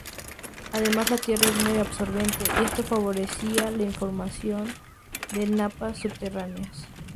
Además la tierra es muy absorbente y esto favorecía la formación de napas subterráneas.